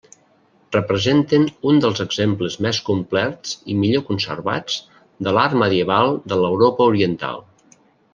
Representen un dels exemples més complets i millor conservats de l'art medieval de l'Europa oriental.